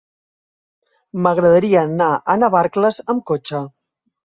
M'agradaria anar a Navarcles amb cotxe.